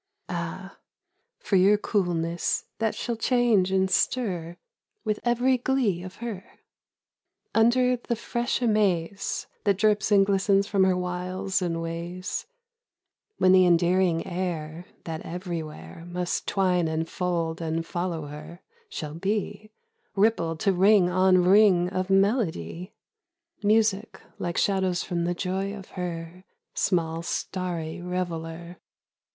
Ah, for your coolness that shall change and stir With every glee of her! Under the fresh amaze That drips and glistens from her wiles and ways; When the endearing air That everywhere Must twine and fold and follow her, shall be Rippled to ring on ring of melody, Music, like shadows from the joy of her, Small starry Reveller!